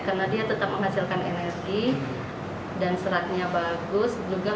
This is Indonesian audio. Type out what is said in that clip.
karena dia tetap menghasilkan energi dan seratnya bagus